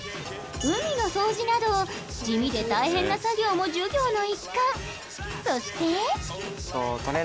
海の掃除など地味で大変な作業も授業の一環。